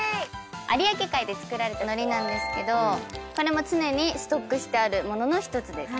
有明海で作られたのりなんですけどこれも常にストックしてある物の１つです。